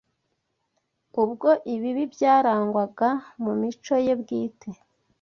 ubwo ibibi byarangwaga mu mico ye bwite